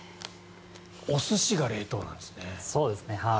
お寿司が冷凍なんですね。